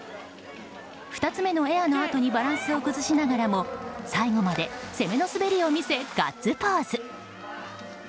２つ目のエアのあとにバランスを崩しながらも最後まで攻めの滑りを見せガッツポーズ。